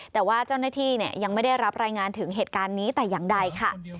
แต่ว่าเจ้าหน้าที่ยังไม่ได้รับรายงานถึงเหตุการณ์นี้แต่อย่างใดค่ะ